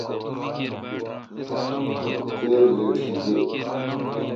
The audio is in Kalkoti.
دو تھیر لیٹ شی گے۔